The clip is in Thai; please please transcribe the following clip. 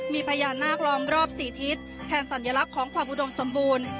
มีพญานาครองรอบ๔ทิศแทนสัญลักษณ์ของความอุดมสมบูรณ์